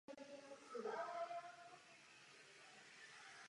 Podobně tak tomu bylo i u dalších členů kapely.